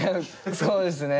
そうですね。